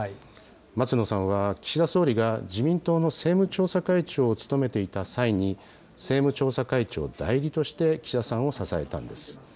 松野さんは岸田総理が自民党の政務調査会長を務めていた際に、政務調査会長代理として、岸田さんを支えたんです。